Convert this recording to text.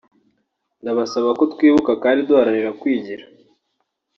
ndabasaba ko twibuka kandi duharanira kwigira